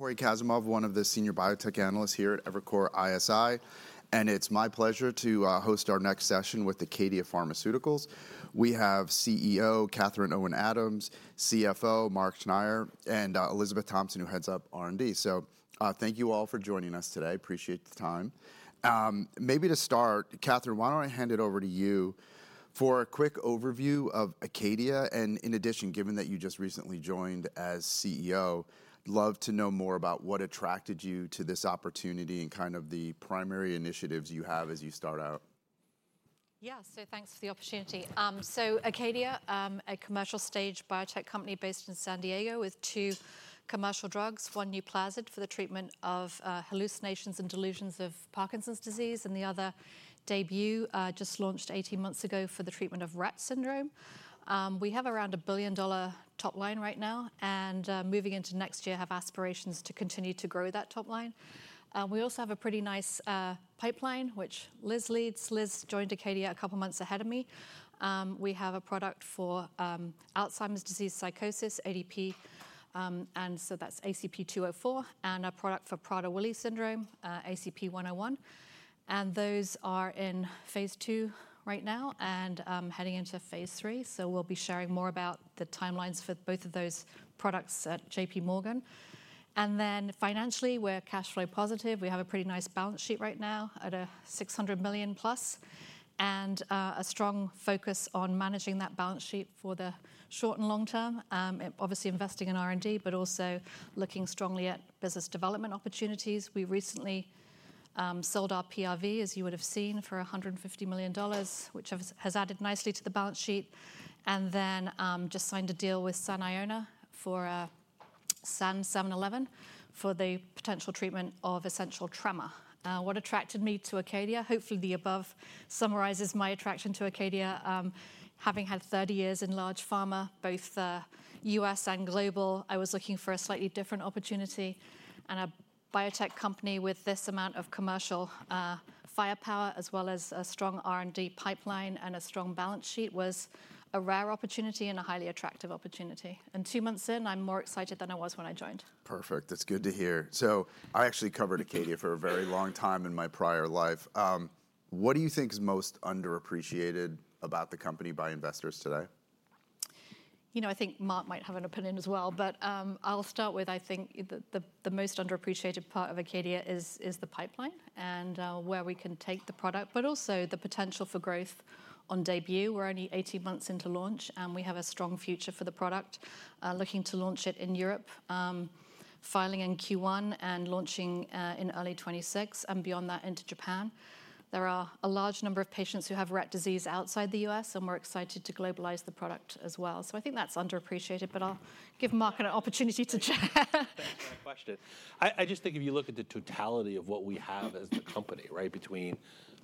Cory Kasimov, one of the senior biotech analysts here at Evercore ISI, and it's my pleasure to host our next session with Acadia Pharmaceuticals. We have CEO Catherine Owen Adams, CFO Mark Schneyer, and Elizabeth Thompson, who heads up R&D, so thank you all for joining us today. Appreciate the time. Maybe to start, Katherine, why don't I hand it over to you for a quick overview of Acadia, and in addition, given that you just recently joined as CEO, I'd love to know more about what attracted you to this opportunity and kind of the primary initiatives you have as you start out. Yeah, so thanks for the opportunity. So Acadia, a commercial stage biotech company based in San Diego with two commercial drugs: one Nuplazid for the treatment of hallucinations and delusions of Parkinson's disease, and the other Daybue, just launched 18 months ago for the treatment of Rett syndrome. We have around a $1 billion top line right now, and moving into next year, have aspirations to continue to grow that top line. We also have a pretty nice pipeline, which Liz leads. Liz joined Acadia a couple of months ahead of me. We have a product for Alzheimer's disease psychosis, ADP, and so that's ACP-204, and a product for Prader-Willi syndrome, ACP-101. And those are in phase two right now and heading into phase three. So we'll be sharing more about the timelines for both of those products at J.P. Morgan. And then financially, we're cash flow positive. We have a pretty nice balance sheet right now at $600 million plus and a strong focus on managing that balance sheet for the short and long term, obviously investing in R&D, but also looking strongly at business development opportunities. We recently sold our PRV, as you would have seen, for $150 million, which has added nicely to the balance sheet, and then just signed a deal with Saniona for SAN711 for the potential treatment of essential tremor. What attracted me to Acadia, hopefully the above summarizes my attraction to Acadia. Having had 30 years in large pharma, both U.S. and global, I was looking for a slightly different opportunity, and a biotech company with this amount of commercial firepower, as well as a strong R&D pipeline and a strong balance sheet, was a rare opportunity and a highly attractive opportunity. Two months in, I'm more excited than I was when I joined. Perfect. That's good to hear. So I actually covered Acadia for a very long time in my prior life. What do you think is most underappreciated about the company by investors today? You know, I think Mark might have an opinion as well, but I'll start with, I think the most underappreciated part of Acadia is the pipeline and where we can take the product, but also the potential for growth on Daybue. We're only 18 months into launch, and we have a strong future for the product, looking to launch it in Europe, filing in Q1 and launching in early 2026 and beyond that into Japan. There are a large number of patients who have Rett syndrome outside the US, and we're excited to globalize the product as well. So I think that's underappreciated, but I'll give Mark an opportunity to chat. Thanks for that question. I just think if you look at the totality of what we have as the company, right, between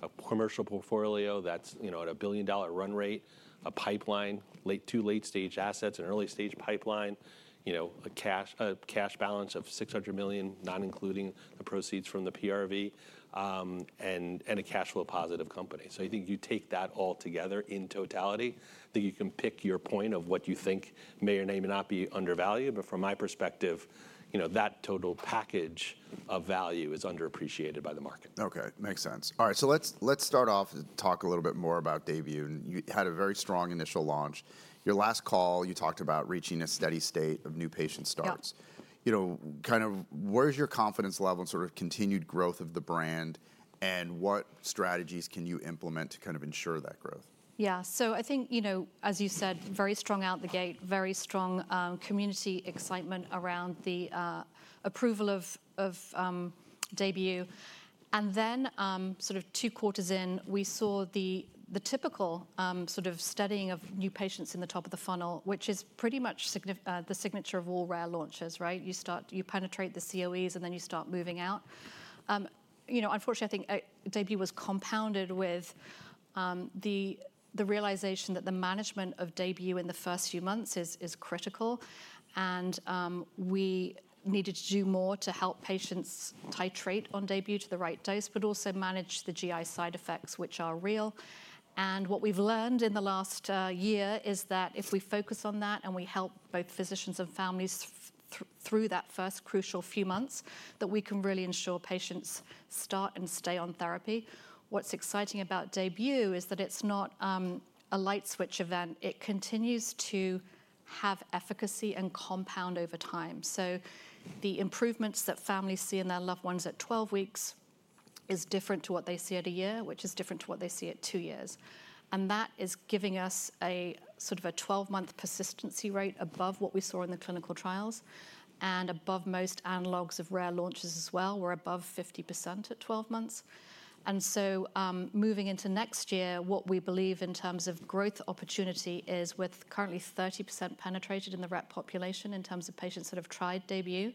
a commercial portfolio that's, you know, at a $1 billion run rate, a pipeline, late to late stage assets, an early stage pipeline, you know, a cash balance of $600 million, not including the proceeds from the PRV, and a cash flow positive company. So I think you take that all together in totality, that you can pick your point of what you think may or may not be undervalued, but from my perspective, you know, that total package of value is underappreciated by the market. Okay, makes sense. All right, so let's start off and talk a little bit more about Daybue. You had a very strong initial launch. Your last call, you talked about reaching a steady state of new patient starts. You know, kind of where's your confidence level in sort of continued growth of the brand and what strategies can you implement to kind of ensure that growth? Yeah, so I think, you know, as you said, very strong out the gate, very strong community excitement around the approval of Daybue. And then sort of two quarters in, we saw the typical sort of steadying of new patients in the top of the funnel, which is pretty much the signature of all rare launches, right? You start, you penetrate the COEs and then you start moving out. You know, unfortunately, I think Daybue was compounded with the realization that the management of Daybue in the first few months is critical, and we needed to do more to help patients titrate on Daybue to the right dose, but also manage the GI side effects, which are real. What we've learned in the last year is that if we focus on that and we help both physicians and families through that first crucial few months, that we can really ensure patients start and stay on therapy. What's exciting about Daybue is that it's not a light switch event. It continues to have efficacy and compound over time. So the improvements that families see in their loved ones at 12 weeks is different to what they see at a year, which is different to what they see at two years. And that is giving us a sort of a 12-month persistency rate above what we saw in the clinical trials and above most analogs of rare launches as well. We're above 50% at 12 months. And so moving into next year, what we believe in terms of growth opportunity is with currently 30% penetrated in the Rett population in terms of patients that have tried Daybue.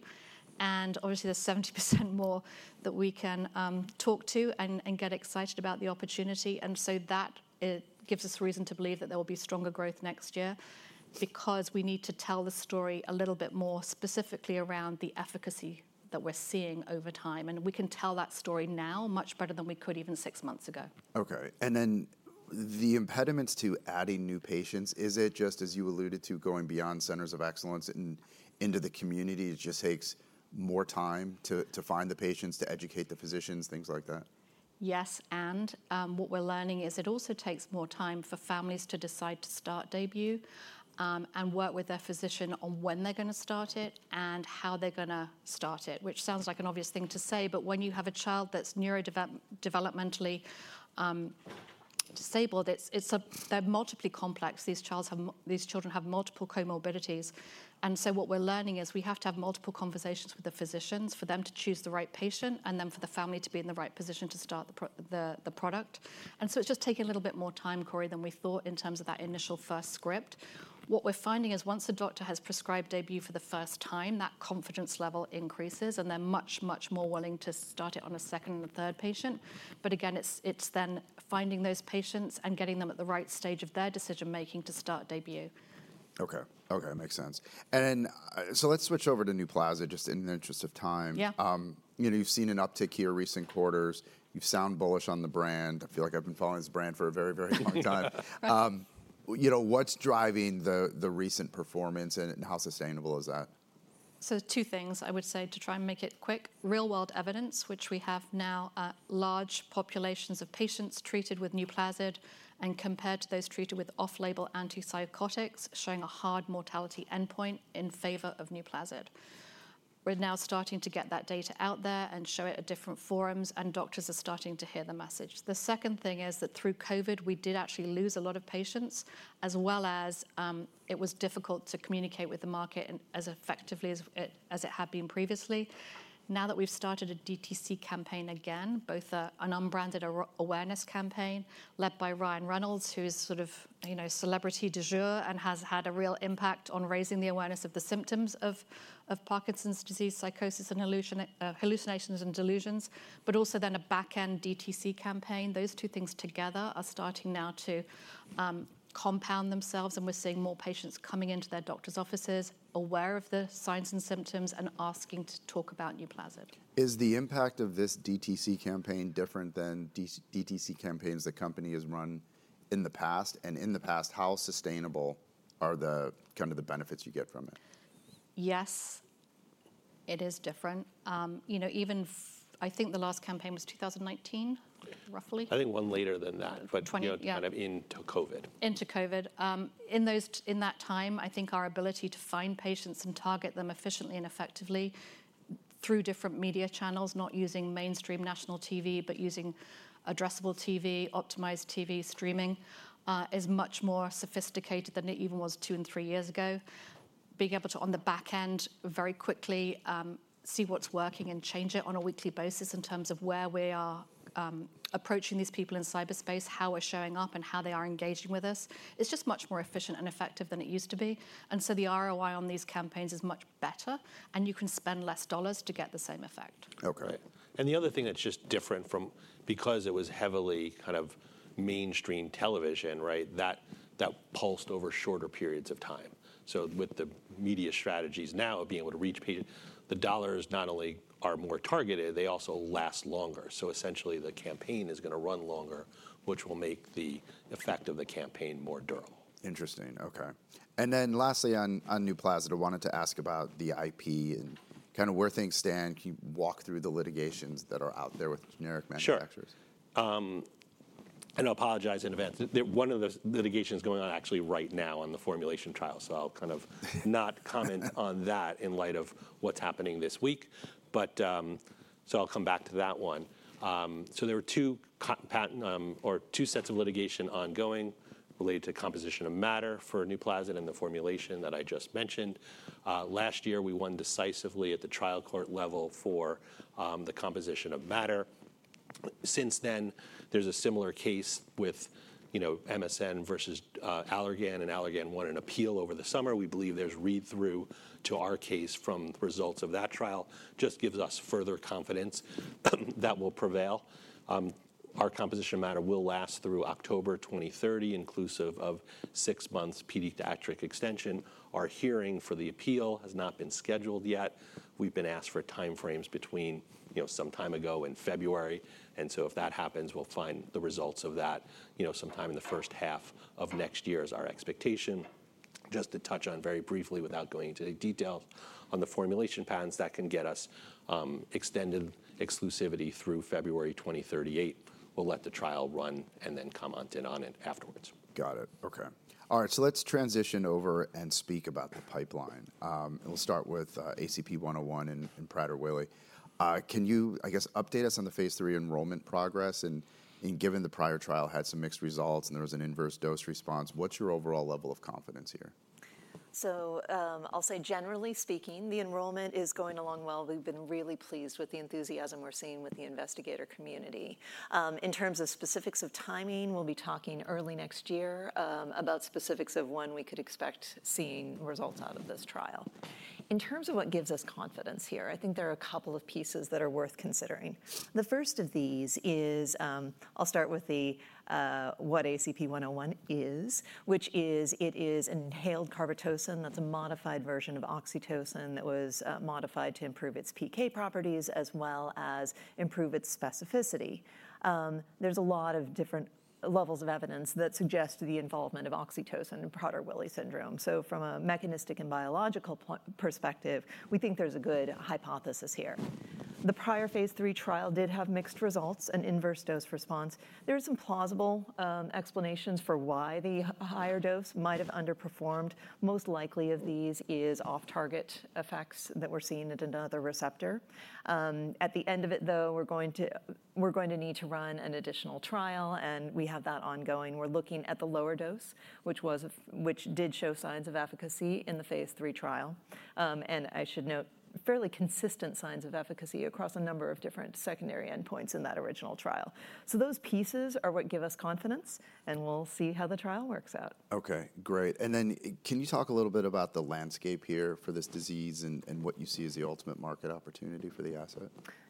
And obviously, there's 70% more that we can talk to and get excited about the opportunity. And so that gives us a reason to believe that there will be stronger growth next year because we need to tell the story a little bit more specifically around the efficacy that we're seeing over time. And we can tell that story now much better than we could even six months ago. Okay. And then the impediments to adding new patients, is it just, as you alluded to, going beyond centers of excellence and into the community? It just takes more time to find the patients, to educate the physicians, things like that? Yes. And what we're learning is it also takes more time for families to decide to start Daybue and work with their physician on when they're going to start it and how they're going to start it, which sounds like an obvious thing to say, but when you have a child that's neurodevelopmentally disabled, they're medically complex. These children have multiple comorbidities. And so what we're learning is we have to have multiple conversations with the physicians for them to choose the right patient and then for the family to be in the right position to start the product. And so it's just taking a little bit more time, Corey, than we thought in terms of that initial first script. What we're finding is once a doctor has prescribed Daybue for the first time, that confidence level increases and they're much, much more willing to start it on a second and a third patient, but again, it's then finding those patients and getting them at the right stage of their decision making to start Daybue. Okay. Okay, makes sense. And then so let's switch over to Nuplazid just in the interest of time. You know, you've seen an uptick here recent quarters. You've sound bullish on the brand. I feel like I've been following this brand for a very, very long time. You know, what's driving the recent performance and how sustainable is that? So two things I would say to try and make it quick. Real-world evidence, which we have now, large populations of patients treated with Nuplazid and compared to those treated with off-label antipsychotics showing a hard mortality endpoint in favor of Nuplazid. We're now starting to get that data out there and show it at different forums, and doctors are starting to hear the message. The second thing is that through COVID, we did actually lose a lot of patients, as well as it was difficult to communicate with the market as effectively as it had been previously. Now that we've started a DTC campaign again, both an unbranded awareness campaign led by Ryan Reynolds, who is sort of, you know, celebrity du jour and has had a real impact on raising the awareness of the symptoms of Parkinson's disease, psychosis, and hallucinations and delusions, but also then a backend DTC campaign. Those two things together are starting now to compound themselves, and we're seeing more patients coming into their doctor's offices aware of the signs and symptoms and asking to talk about Nuplazid. Is the impact of this DTC campaign different than DTC campaigns the company has run in the past? And in the past, how sustainable are the kind of benefits you get from it? Yes, it is different. You know, even I think the last campaign was 2019, roughly. I think one later than that, but kind of into COVID. Into COVID. In that time, I think our ability to find patients and target them efficiently and effectively through different media channels, not using mainstream national TV, but using Addressable TV, optimized TV streaming, is much more sophisticated than it even was two and three years ago. Being able to, on the backend, very quickly see what's working and change it on a weekly basis in terms of where we are approaching these people in cyberspace, how we're showing up, and how they are engaging with us, it's just much more efficient and effective than it used to be. And so the ROI on these campaigns is much better, and you can spend less dollars to get the same effect. Okay. And the other thing that's just different from, because it was heavily kind of mainstream television, right, that pulsed over shorter periods of time. So with the media strategies now of being able to reach patients, the dollars not only are more targeted, they also last longer. So essentially, the campaign is going to run longer, which will make the effect of the campaign more durable. Interesting. Okay. And then lastly, on Nuplazid, I wanted to ask about the IP and kind of where things stand. Can you walk through the litigations that are out there with generic manufacturers? And I apologize in advance. One of the litigations going on actually right now on the formulation trial, so I'll kind of not comment on that in light of what's happening this week. But so I'll come back to that one. There were two sets of litigation ongoing related to composition of matter for Nuplazid and the formulation that I just mentioned. Last year, we won decisively at the trial court level for the composition of matter. Since then, there's a similar case with, you know, MSN versus Allergan, and Allergan won an appeal over the summer. We believe there's read-through to our case from the results of that trial. Just gives us further confidence that will prevail. Our composition of matter will last through October 2030, inclusive of six months pediatric extension. Our hearing for the appeal has not been scheduled yet. We've been asked for timeframes between, you know, some time ago and February. If that happens, we'll find the results of that, you know, sometime in the first half of next year is our expectation. Just to touch on very briefly without going into detail on the formulation patterns, that can get us extended exclusivity through February 2038. We'll let the trial run and then comment on it afterwards. Got it. Okay. All right, so let's transition over and speak about the pipeline. We'll start with ACP-101 and Prader-Willi. Can you, I guess, update us on the phase three enrollment progress? And given the prior trial had some mixed results and there was an inverse dose response, what's your overall level of confidence here? So I'll say, generally speaking, the enrollment is going along well. We've been really pleased with the enthusiasm we're seeing with the investigator community. In terms of specifics of timing, we'll be talking early next year about specifics of when we could expect seeing results out of this trial. In terms of what gives us confidence here, I think there are a couple of pieces that are worth considering. The first of these is, I'll start with what ACP-101 is, which is it is an inhaled carbetocin that's a modified version of oxytocin that was modified to improve its PK properties as well as improve its specificity. There's a lot of different levels of evidence that suggest the involvement of oxytocin in Prader-Willi syndrome. So from a mechanistic and biological perspective, we think there's a good hypothesis here. The prior phase 3 trial did have mixed results and inverse dose response. There are some plausible explanations for why the higher dose might have underperformed. Most likely of these is off-target effects that we're seeing at another receptor. At the end of it, though, we're going to need to run an additional trial, and we have that ongoing. We're looking at the lower dose, which did show signs of efficacy in the phase 3 trial. And I should note fairly consistent signs of efficacy across a number of different secondary endpoints in that original trial. So those pieces are what give us confidence, and we'll see how the trial works out. Okay, great. And then can you talk a little bit about the landscape here for this disease and what you see as the ultimate market opportunity for the asset?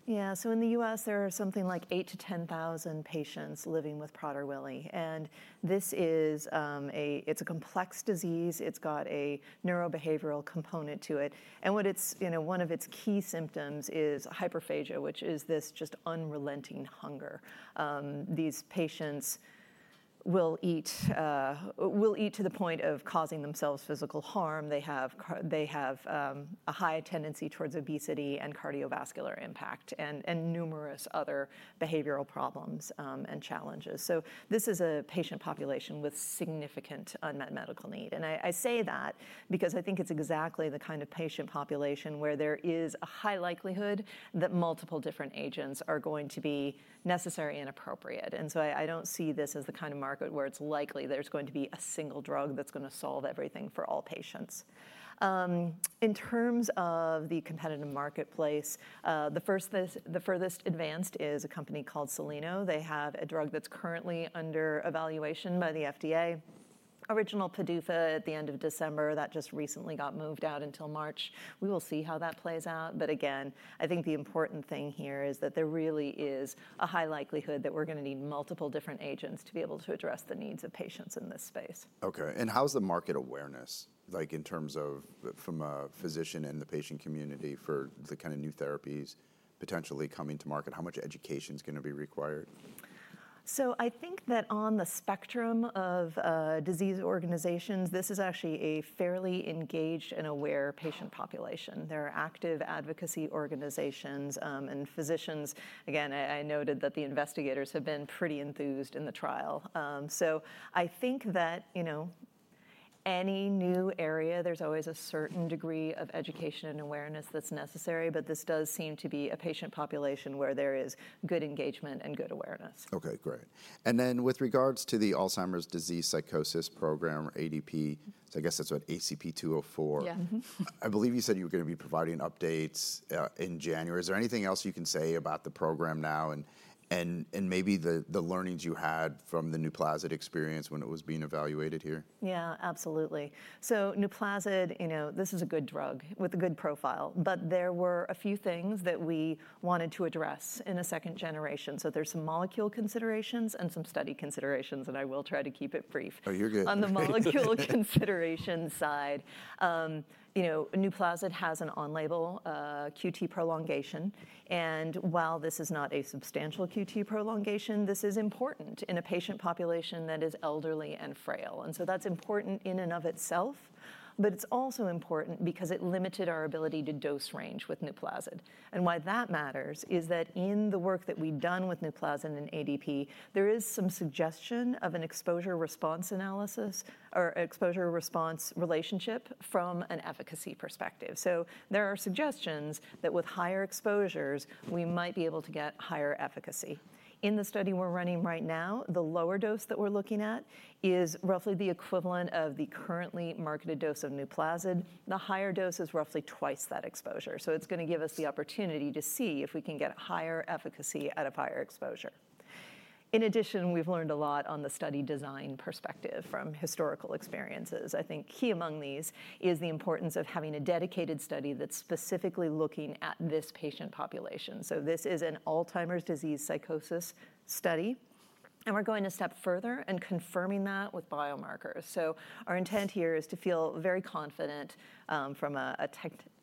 Yeah, so in the U.S., there are something like 8,000-10,000 patients living with Prader-Willi. And this is a complex disease. It's got a neurobehavioral component to it. And what it's, you know, one of its key symptoms is hyperphagia, which is this just unrelenting hunger. These patients will eat to the point of causing themselves physical harm. They have a high tendency towards obesity and cardiovascular impact and numerous other behavioral problems and challenges. So this is a patient population with significant unmet medical need. And I say that because I think it's exactly the kind of patient population where there is a high likelihood that multiple different agents are going to be necessary and appropriate. And so I don't see this as the kind of market where it's likely there's going to be a single drug that's going to solve everything for all patients. In terms of the competitive marketplace, the furthest advanced is a company called Soleno. They have a drug that's currently under evaluation by the FDA, original PDUFA date at the end of December that just recently got moved out until March. We will see how that plays out. But again, I think the important thing here is that there really is a high likelihood that we're going to need multiple different agents to be able to address the needs of patients in this space. Okay. And how's the market awareness, like in terms of from a physician and the patient community for the kind of new therapies potentially coming to market? How much education is going to be required? So I think that on the spectrum of disease organizations, this is actually a fairly engaged and aware patient population. There are active advocacy organizations and physicians. Again, I noted that the investigators have been pretty enthused in the trial. So I think that, you know, any new area, there's always a certain degree of education and awareness that's necessary. But this does seem to be a patient population where there is good engagement and good awareness. Okay, great. And then with regards to the Alzheimer's disease psychosis program, ADP, so I guess that's what, ACP-204. I believe you said you were going to be providing updates in January. Is there anything else you can say about the program now and maybe the learnings you had from the Nuplazid experience when it was being evaluated here? Yeah, absolutely. So Nuplazid, you know, this is a good drug with a good profile, but there were a few things that we wanted to address in a second generation. So there's some molecule considerations and some study considerations, and I will try to keep it brief. Oh, you're good. On the molecule consideration side, you know, Nuplazid has an on-label QT prolongation. And while this is not a substantial QT prolongation, this is important in a patient population that is elderly and frail. And so that's important in and of itself, but it's also important because it limited our ability to dose range with Nuplazid. And why that matters is that in the work that we've done with Nuplazid and ADP, there is some suggestion of an exposure response analysis or exposure response relationship from an efficacy perspective. So there are suggestions that with higher exposures, we might be able to get higher efficacy. In the study we're running right now, the lower dose that we're looking at is roughly the equivalent of the currently marketed dose of Nuplazid. The higher dose is roughly twice that exposure. It's going to give us the opportunity to see if we can get higher efficacy at a higher exposure. In addition, we've learned a lot on the study design perspective from historical experiences. I think key among these is the importance of having a dedicated study that's specifically looking at this patient population. This is an Alzheimer's disease psychosis study, and we're going a step further and confirming that with biomarkers. Our intent here is to feel very confident from a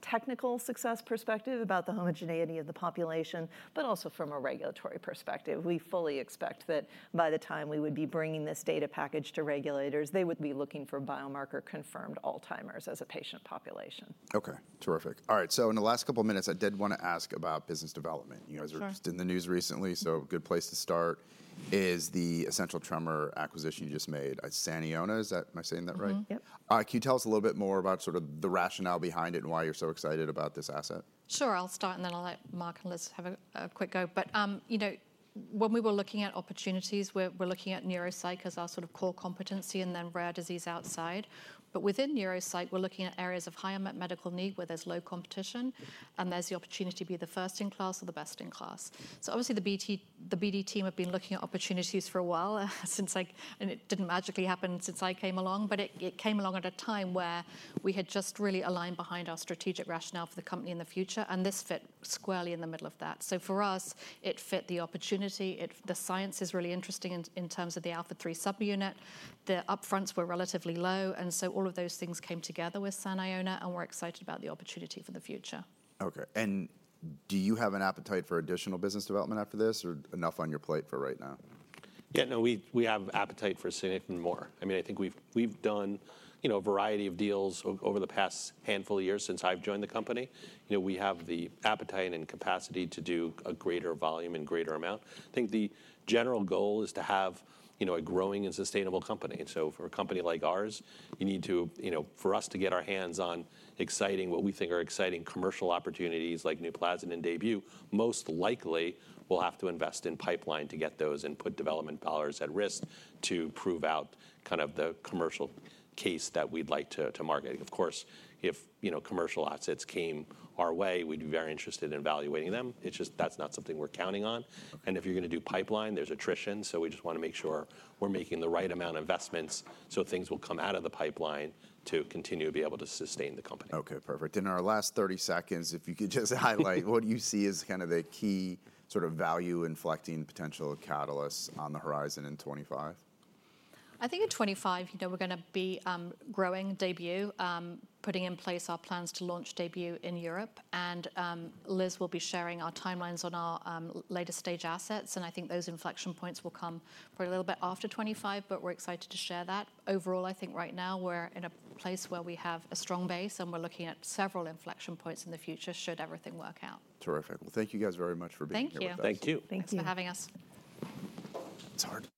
technical success perspective about the homogeneity of the population, but also from a regulatory perspective. We fully expect that by the time we would be bringing this data package to regulators, they would be looking for biomarker-confirmed Alzheimer's as a patient population. Okay, terrific. All right, so in the last couple of minutes, I did want to ask about business development. You guys were just in the news recently, so a good place to start is the essential tremor acquisition you just made. I had Saniona, is that, am I saying that right? Yep. Can you tell us a little bit more about sort of the rationale behind it and why you're so excited about this asset? Sure, I'll start and then I'll let Mark and Liz have a quick go, but you know, when we were looking at opportunities, we're looking at neuropsych as our sort of core competency and then rare disease outside. Within neuropsych, we're looking at areas of higher medical need where there's low competition and there's the opportunity to be the first in class or the best in class. Obviously the BD team have been looking at opportunities for a while since I, and it didn't magically happen since I came along, but it came along at a time where we had just really aligned behind our strategic rationale for the company in the future, and this fit squarely in the middle of that. For us, it fit the opportunity. The science is really interesting in terms of the alpha-3 subunit. The upfronts were relatively low, and so all of those things came together with Saniona, and we're excited about the opportunity for the future. Okay. And do you have an appetite for additional business development after this, or enough on your plate for right now? Yeah, no, we have appetite for seeing even more. I mean, I think we've done a variety of deals over the past handful of years since I've joined the company. You know, we have the appetite and capacity to do a greater volume and greater amount. I think the general goal is to have a growing and sustainable company. So for a company like ours, you need to, you know, for us to get our hands on exciting, what we think are exciting commercial opportunities like Nuplazid and Daybue, most likely we'll have to invest in pipeline to get those input development dollars at risk to prove out kind of the commercial case that we'd like to market. Of course, if commercial assets came our way, we'd be very interested in evaluating them. It's just that's not something we're counting on. And if you're going to do pipeline, there's attrition, so we just want to make sure we're making the right amount of investments so things will come out of the pipeline to continue to be able to sustain the company. Okay, perfect. In our last 30 seconds, if you could just highlight what do you see as kind of the key sort of value inflecting potential catalysts on the horizon in 2025? I think in 2025, you know, we're going to be growing Daybue, putting in place our plans to launch Daybue in Europe, and Liz will be sharing our timelines on our later stage assets, and I think those inflection points will come for a little bit after 2025, but we're excited to share that. Overall, I think right now we're in a place where we have a strong base and we're looking at several inflection points in the future should everything work out. Terrific. Well, thank you guys very much for being here. Thank you. Thank you. Thank you for having us. It's hard.